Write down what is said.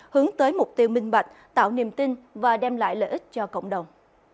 hướng tới mục tiêu minh bạch tạo niềm tin và đem lại lợi ích cho cộng đồng